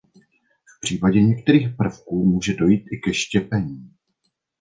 V případě některých prvků může dojít i ke štěpení.